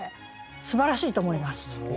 すばらしいと思います。